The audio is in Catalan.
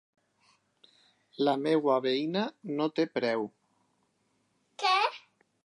La meva veïna no té preu.